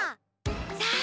さあ